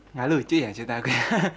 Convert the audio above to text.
nggak lucu ya ceritaku